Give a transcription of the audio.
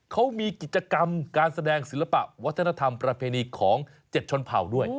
เขามีกิจกรรมการแสดงศิลปะวัฒนธรรมประเพณีของ๗ชนเผ่าด้วย